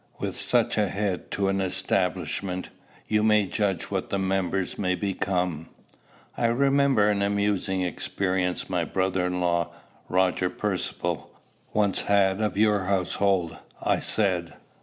With such a head to an establishment, you may judge what the members may become." "I remember an amusing experience my brother in law, Roger Percivale, once had of your household," I said.